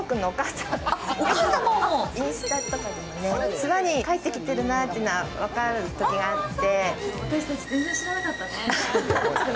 諏訪に帰ってきているなというのが分かるときがあって。